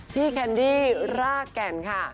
แคนดี้รากแก่นค่ะ